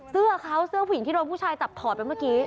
เสื้อเขาเสื้อผู้หญิงที่โดนผู้ชายจับถอดไปเมื่อกี้